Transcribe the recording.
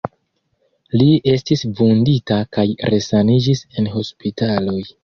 Li estis vundita kaj resaniĝis en hospitaloj.